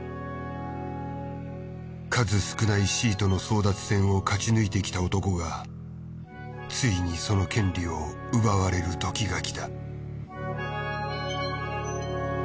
数少ないシートの争奪戦を勝ち抜いてきた男がついにその権利を奪われるときがきた。